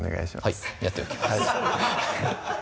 はいやっておきます